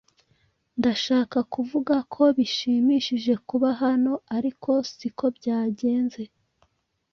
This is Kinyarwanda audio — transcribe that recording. Ndashaka kuvuga ko bishimishije kuba hano, ariko siko byagenze.